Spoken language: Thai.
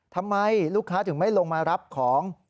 ทำไมลูกค้าถึงไม่ลงมารับของ